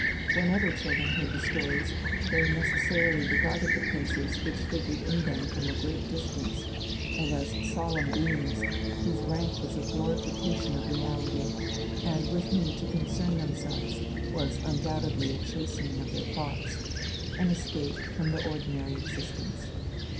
When other children heard the stories, they necessarily regarded the princes which figured in them from a great distance, and as solemn beings whose rank was a glorification of reality and with whom to concern themselves was undoubtedly a chastening of their thoughts, and an escape from the ordinary existence.